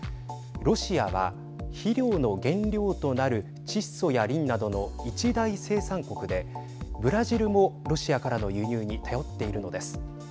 ロシアは、肥料の原料となる窒素やリンなどの一大生産国でブラジルもロシアからの輸入に頼っているのです。